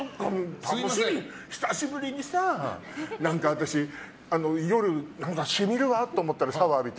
久しぶりにさ、私、夜染みるわと思ってシャワー浴びて。